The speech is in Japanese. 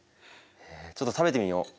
ちょっと食べてみよ。